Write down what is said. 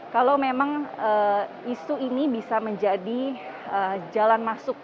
kalau memang isu ini bisa menjadi jalan masuk